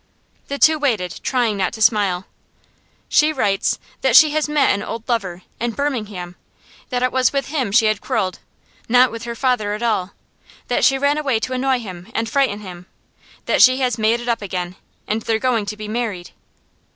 The two waited, trying not to smile. 'She writes that she has met an old lover in Birmingham that it was with him she had quarrelled not with her father at all that she ran away to annoy him and frighten him that she has made it up again, and they're going to be married!